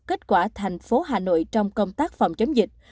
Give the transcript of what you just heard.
kết quả thành phố hà nội trong công tác phòng chống dịch